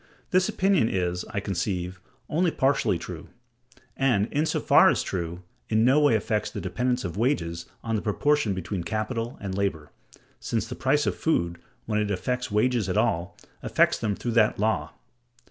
This opinion is, I conceive, only partially true; and, in so far as true, in no way affects the dependence of wages on the proportion between capital and labor: since the price of food, when it affects wages at all, affects them through that law.